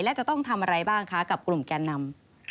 และจะต้องทำอะไรบ้างคะกับกลุ่มแกนนำ